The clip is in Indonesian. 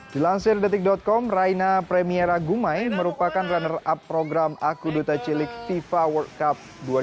dilansir detik com raina premiera gumai merupakan runner up program akuduta cilik fifa world cup dua ribu delapan belas